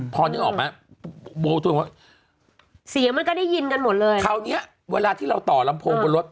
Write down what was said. พอนึกออกไหมโบทนว่าเสียงมันก็ได้ยินกันหมดเลยคราวเนี้ยเวลาที่เราต่อลำโพงบนรถ